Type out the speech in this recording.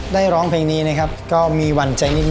ร้องเพลงนี้นะครับก็มีหวั่นใจนิดน